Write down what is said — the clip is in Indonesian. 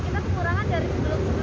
kita kekurangan dari sebelum psbb